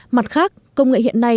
mặt khác công nghệ hiện nay